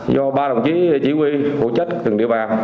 do ba đồng chí chỉ huy phụ trách từng địa bàn